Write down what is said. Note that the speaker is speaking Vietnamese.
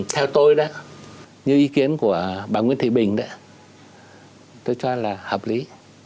theo tôi đó như ý kiến của bà nguyễn thị bình tôi cho là hợp lý